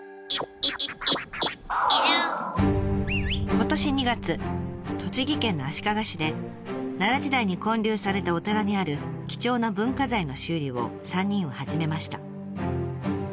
今年２月栃木県の足利市で奈良時代に建立されたお寺にある貴重な文化財の修理を３人は始めました。